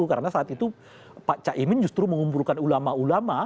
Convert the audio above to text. karena saat itu pak caimin justru mengumpulkan ulama ulama